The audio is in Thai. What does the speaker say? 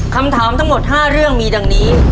คำถามทั้งหมด๕เรื่องมีดังนี้